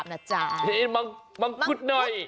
มังกุ๊ดหน่อย